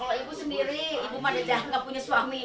kalau ibu sendiri ibu mana jahat nggak punya suami